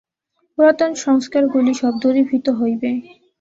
পুরাতন সংস্কারগুলি সব দূরীভূত হইবে।